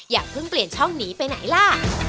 อย่าเพิ่งเปลี่ยนช่องหนีไปไหนล่ะ